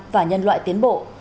và nhân loại tiến bộ